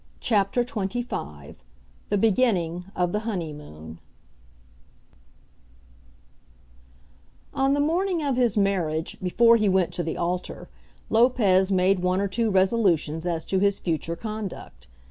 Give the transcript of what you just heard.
CHAPTER XXV The Beginning of the Honeymoon On the morning of his marriage, before he went to the altar, Lopez made one or two resolutions as to his future conduct.